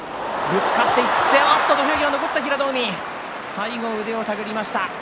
最後、腕を手繰りました。